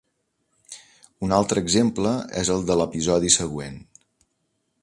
Un altre exemple és el de l'episodi següent.